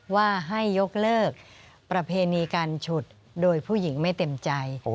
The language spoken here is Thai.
ว่าให้ยกเลิกประเพณีการฉุดโดยผู้หญิงไม่เต็มใจ